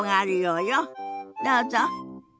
どうぞ。